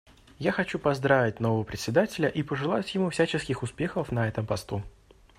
Я хочу поздравить нового Председателя и пожелать ему всяческих успехов на этом посту.